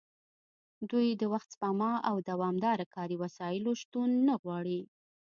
دوی د وخت سپما او دوامداره کاري وسایلو شتون نه غواړي